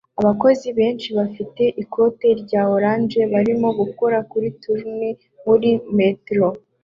Abakozi benshi bafite ikoti rya orange barimo gukora kuri tunnel muri Metro